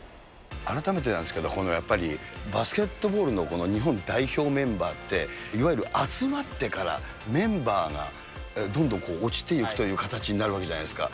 改めてなんですけど、今度やっぱりバスケットボールの日本代表メンバーって、いわゆる集まってからメンバーがどんどん落ちていくという形になるわけじゃないですか。